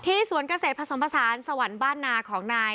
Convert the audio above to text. สวนเกษตรผสมผสานสวรรค์บ้านนาของนาย